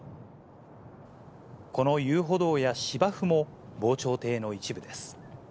この遊歩道や芝生も、防潮堤の一部です。